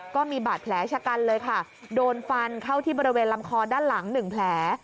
ก็มีบาดแผลชะกันเลยค่ะโดนฟันเข้าที่บริเวณลำคอด้านหลังหนึ่งแผล